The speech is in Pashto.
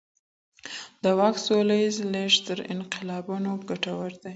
د واک سوله ييز لېږد تر انقلابونو ګټور دی.